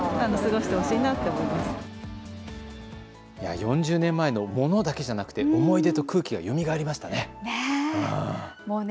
４０年前のものだけじゃなく思い出と空気がよみがえりましたね。